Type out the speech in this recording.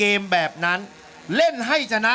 โอบอตตอมหาสนุก